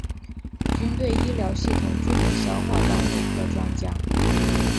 军队医疗系统著名消化道内科专家。